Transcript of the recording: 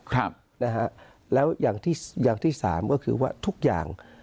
ครับนะฮะแล้วอย่างที่อย่างที่สามก็คือว่าทุกอย่าง